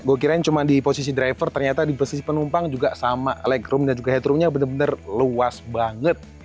gue kirain cuma di posisi driver ternyata di posisi penumpang juga sama light room dan juga headroomnya benar benar luas banget